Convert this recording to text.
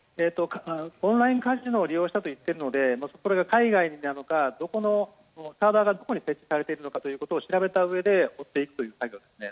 オンラインカジノを利用したといっているのでこれが海外なのか、サーバーがどこに設置されているのかを調べたうえで持っていくということですね。